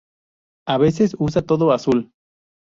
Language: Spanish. A veces usa todo azul.